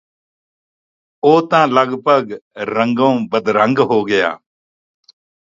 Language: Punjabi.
ਉਹ ਤਾਂ ਲਗਭਗ ਰੰਗੋਂ ਬਦਰੰਗ ਹੋ ਗਿਆ